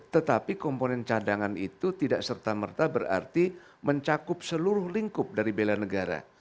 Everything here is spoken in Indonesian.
tetapi komponen cadangan itu tidak serta merta berarti mencakup seluruh lingkup dari bela negara